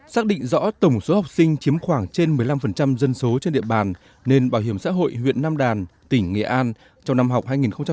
xác định rõ tổng số học sinh chiếm khoảng trên một mươi năm dân số trên địa bàn nên bảo hiểm xã hội huyện nam đàn tỉnh nghệ an trong năm học hai nghìn một mươi chín hai nghìn hai mươi